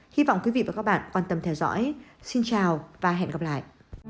hy vọng quý vị và các bạn quan tâm theo dõi xin chào và hẹn gặp lại